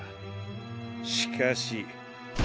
しかし。